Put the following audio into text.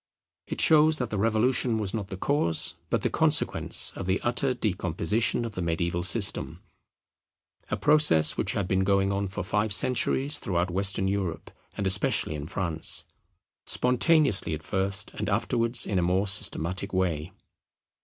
It shows that the Revolution was not the cause but the consequence of the utter decomposition of the mediaeval system; a process which had been going on for five centuries throughout Western Europe, and especially in France; spontaneously at first, and afterwards in a more systematic way.